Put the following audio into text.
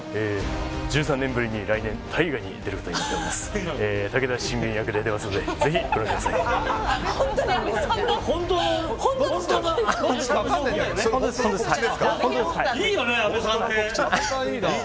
１３年ぶりに来年大河に出ることになっております。